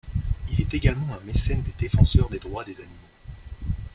Il est également un mécène des défenseurs des droits des animaux.